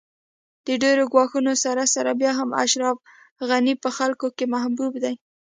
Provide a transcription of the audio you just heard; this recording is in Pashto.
د ډېرو ګواښونو سره سره بیا هم اشرف غني په خلکو کې محبوب دی